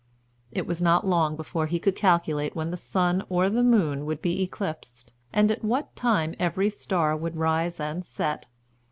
It was not long before he could calculate when the sun or the moon would be eclipsed, and at what time every star would rise and set.